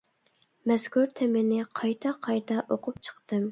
مەزكۇر تېمىنى قايتا قايتا ئوقۇپ چىقتىم.